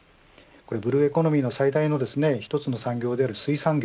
ブルーエコノミーの最大の一つの産業である水産業。